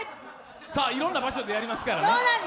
いろんな場所でやりますからね。